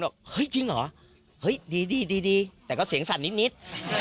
บอกเฮ้ยจริงเหรอเฮ้ยดีดีแต่ก็เสียงสั่นนิด